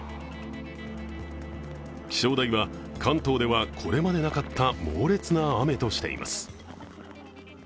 気象台は関東ではこれまでなかった猛烈な雨としています。